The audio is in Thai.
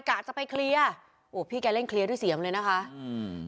กะจะไปเคลียร์โอ้พี่แกเล่นเคลียร์ด้วยเสียงเลยนะคะอืม